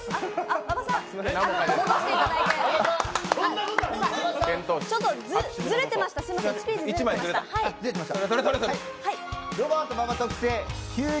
馬場さん、戻していただいてちょっとズレてまして、１ページずれてました。